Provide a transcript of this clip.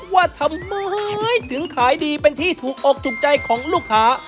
ว่าทำไมถึงขายดีเป็นที่ถูกอกถูกใจของลูกค้า